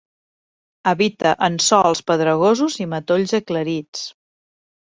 Habita en sòls pedregosos i matolls aclarits.